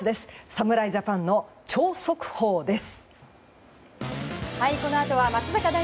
侍ジャパンの超速報です。